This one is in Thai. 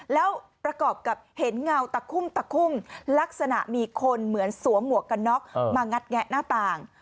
แล้วประกอบกับเห็นเงาตะคุ่มตะคุ่มลักษณะมีคนเหมือนสวมหมวกกันน็อกมางัดแงะหน้าต่าง